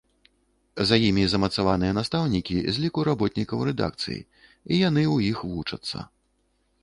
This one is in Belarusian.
За імі замацаваныя настаўнікі з ліку работнікаў рэдакцыі, і яны ў іх вучацца.